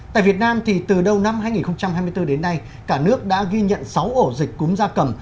tại việt nam từ đầu năm hai nghìn hai mươi bốn đến nay cả nước đã ghi nhận sáu ổ dịch cúm da cầm